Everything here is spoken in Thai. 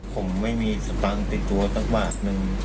ผมไม่มีสตางค์ติดตัวทั้งหมดหนึ่ง